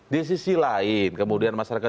di sisi lain kemudian masyarakat